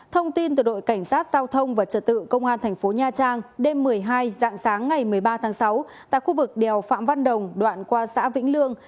thông tin từ đội cảnh sát giao thông và trật tự công an thành phố nha trang đêm một mươi hai dạng sáng ngày một mươi ba tháng sáu tại khu vực đèo phạm văn đồng đoạn qua xã vĩnh lương